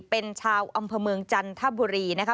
เป็นชาวอำเภอเมืองจันทบุรีนะคะ